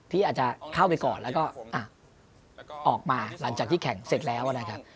ที่อาจจะเข้าไปก่อนแล้วก็ออกมาหลังจากที่แข่งเสร็จแล้วนะครับ